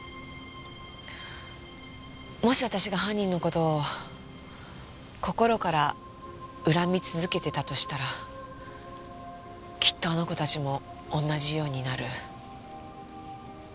もし私が犯人の事を心から恨み続けてたとしたらきっとあの子たちも同じようになる。